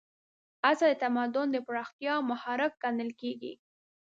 هڅه د تمدن د پراختیا محرک ګڼل کېږي.